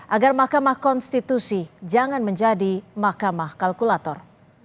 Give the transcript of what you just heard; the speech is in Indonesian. agar mahkamah konstitusi jangan menjadi mahkamah kalkulator